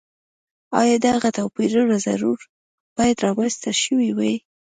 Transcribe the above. ایا دغه توپیرونه ضرور باید رامنځته شوي وای.